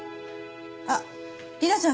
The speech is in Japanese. あっ理奈ちゃん